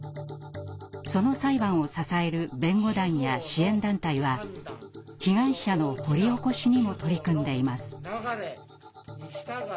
その裁判を支える弁護団や支援団体は被害者の掘り起こしにも取り組んでいます。